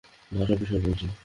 না, সব বিষয়ে বলছিনা।